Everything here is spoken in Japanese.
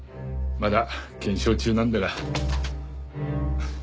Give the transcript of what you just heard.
まだ検証中なんだが。